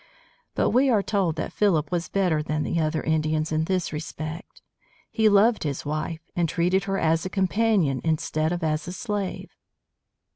But we are told that Philip was better than the other Indians in this respect. He loved his wife and treated her as a companion instead of as a slave.